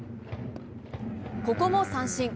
ここも三振。